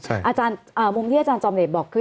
อาจารย์มุมที่อาจารย์จอมเดชบอกคือ